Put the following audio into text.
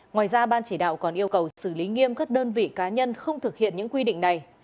ngoài ra ban chỉ đạo còn yêu cầu xử lý nghiêm các đơn vị cá nhân không thực hiện những quy định này